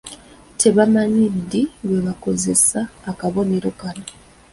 Tebamanyi ddi lwe bakozesa akabonero kano!